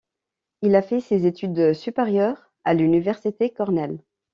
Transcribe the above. Il a fait ses études supérieures à l'Université Cornell.